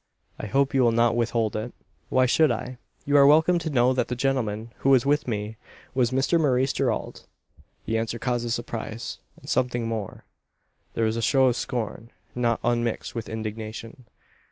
I hope you will not withhold it." "Why should I? You are welcome to know that the gentleman, who was with me, was Mr Maurice Gerald." The answer causes surprise, and something more. There is a show of scorn, not unmixed with indignation.